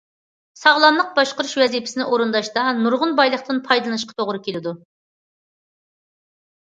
ساغلاملىق باشقۇرۇش ۋەزىپىسىنى ئورۇنداشتا نۇرغۇن بايلىقتىن پايدىلىنىشقا توغرا كېلىدۇ.